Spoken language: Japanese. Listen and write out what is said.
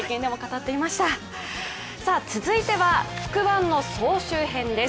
続いては「つくワン」の総集編です。